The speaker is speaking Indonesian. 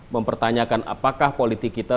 mempertanyakan apakah politik kita